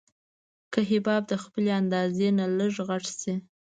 که حباب د خپلې اندازې نه لږ غټ شي.